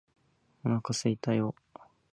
お腹すいたよ！！！！！